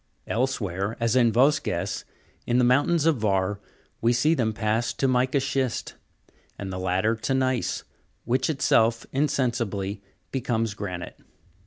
Elsewhere, as in Vosges, in the mountains of Var, we see them pass to mica schist ; and the latter to gneiss, which, itself, insensibly becomes granite.